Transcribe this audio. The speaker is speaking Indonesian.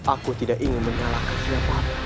aku tidak ingin menyalahkan siapa